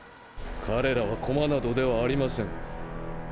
彼らは駒などではありません。